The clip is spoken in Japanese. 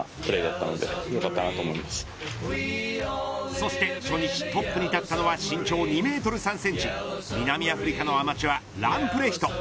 そして初日トップに立ったのは身長２メートル３センチ南アフリカのアマチュアランプレヒト。